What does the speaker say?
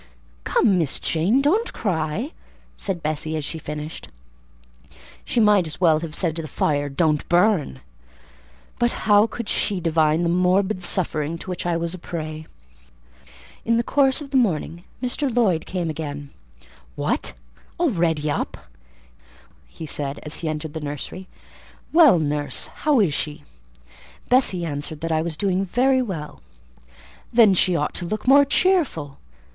"Come, Miss Jane, don't cry," said Bessie as she finished. She might as well have said to the fire, "don't burn!" but how could she divine the morbid suffering to which I was a prey? In the course of the morning Mr. Lloyd came again. "What, already up!" said he, as he entered the nursery. "Well, nurse, how is she?" Bessie answered that I was doing very well. "Then she ought to look more cheerful.